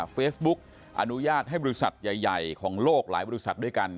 เฟซบุ๊กอนุญาตให้บริษัทใหญ่ของโลกหลายบริษัทด้วยกัน